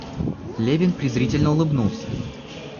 Левин презрительно улыбнулся.